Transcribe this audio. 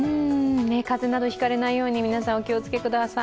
風邪引かれないように、皆さんお気をつけください。